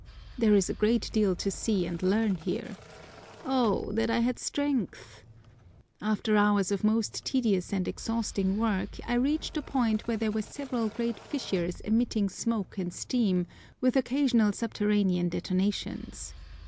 There is a great deal to see and learn there. Oh that I had strength! After hours of most tedious and exhausting work I reached a point where there were several great fissures emitting smoke and steam, with occasional subterranean detonations.